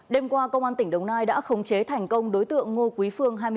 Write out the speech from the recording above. đêm qua công an tỉnh đồng nai đã khống chế thành công đối tượng ngô quý phương